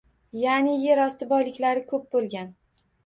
Ya’ni, yer osti boyliklari ko‘p bo‘lgan